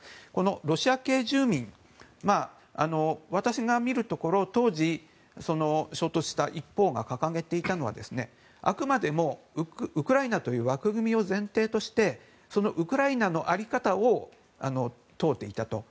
ロシア系住民は私が見るところ当時、衝突した一方が掲げていたのがあくまでもウクライナという枠組みを前提としてウクライナの在り方を問うていたと。